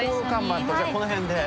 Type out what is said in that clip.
じゃあ、この辺で。